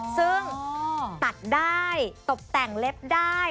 ซึ่งตัดได้ตบแต่งเล็บได้